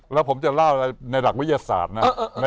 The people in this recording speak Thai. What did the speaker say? แล้วผมจะเล่าอะไรในหลักวิทยาศาสตร์นะ